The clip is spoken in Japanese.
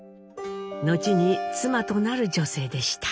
後に妻となる女性でした。